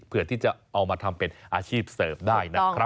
เพื่อที่จะเอามาทำเป็นอาชีพเสริมได้นะครับ